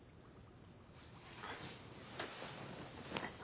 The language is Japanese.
あの。